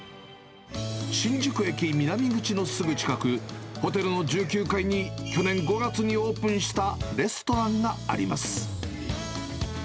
新宿駅南口のすぐ近く、ホテルの１９階に去年５月にオープンしたレストランがあります。